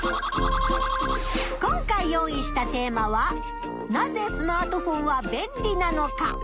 今回用意したテーマは「なぜスマートフォンは便利なのか」。